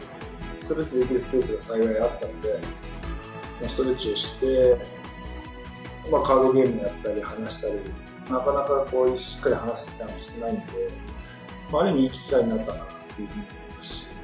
ストレッチできるスペースが幸いあったんで、ストレッチをして、カードゲームやったり話したり、なかなかしっかり話す機会も少ないので、ある意味、いい機会になったかなというふうに思ってますし。